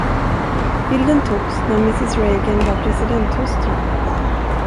Bilden togs när mrs Reagan var presidenthustru.